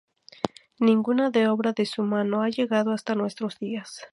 Ninguna obra de su mano ha llegado hasta nuestros días.